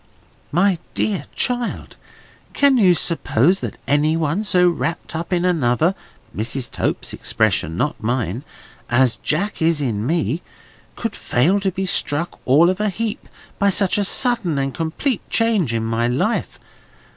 "My dear child! can you suppose that any one so wrapped up in another—Mrs. Tope's expression: not mine—as Jack is in me, could fail to be struck all of a heap by such a sudden and complete change in my life?